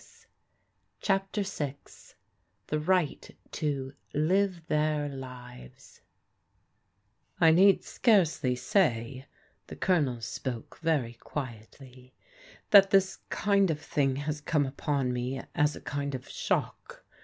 I CHAPTERVI THE RIGHT TO "LIVE THEIR LIVES" NEED scarcely say," — ^the Colonel spoke very quietly, —" that this kind of thing has come upon me as a kind of shock.